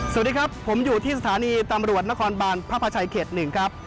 สวัสดีครับผมอยู่ที่สถานีตำรวจนครบานพระพระชัยเขต๑ครับ